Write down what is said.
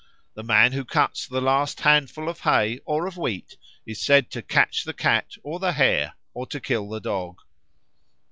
The man who cuts the last handful of hay or of wheat is said to catch the cat or the hare or to kill the dog.